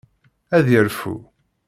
Ad yerfu.